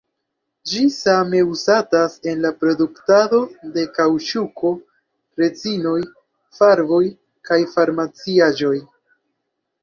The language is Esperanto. Ĝi same uzatas en la produktado de kaŭĉuko, rezinoj, farboj kaj farmaciaĵoj.